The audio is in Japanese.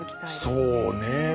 そうね。